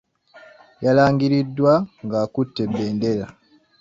Yalangiriddwa ng'akutte bendera.